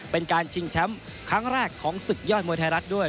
เป็นการชิงแชมป์ครั้งแรกของศึกยอดมวยไทยรัฐด้วย